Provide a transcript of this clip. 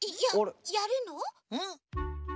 やるの？